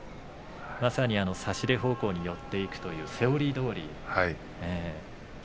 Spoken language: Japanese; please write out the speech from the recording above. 差し手方向に乗っていくというセオリーどおり。